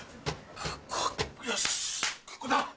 よしここだ！